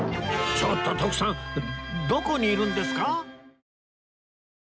ちょっと徳さんどこにいるんですか？